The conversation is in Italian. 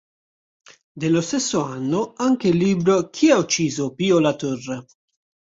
Dello stesso anno anche il libro "Chi ha ucciso Pio La Torre?